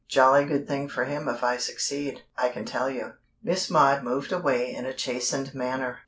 "Jolly good thing for him if I succeed, I can tell you." Miss Maud moved away in a chastened manner.